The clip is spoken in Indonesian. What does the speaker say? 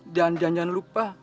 dan jangan jangan lupa